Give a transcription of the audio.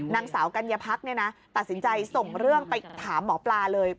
นางสาวกัญญาพักตัดสินใจส่งเรื่องไปถามหมอปลาเลย